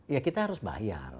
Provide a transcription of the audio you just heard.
ya kita harus bayar